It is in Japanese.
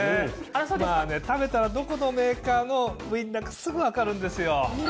食べたらどこのメーカーのウインナーかすぐ分かるんですよ。